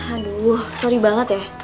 aduh sorry banget ya